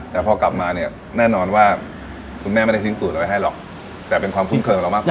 แต่พอกลับมาเนี่ยแน่นอนว่าคุณแม่ไม่ได้ทิ้งสูตรอะไรไว้ให้หรอกแต่เป็นความทุ่มเทิงเรามากกว่า